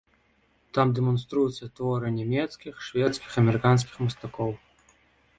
Там дэманструюцца творы нямецкіх, шведскіх, амерыканскіх мастакоў.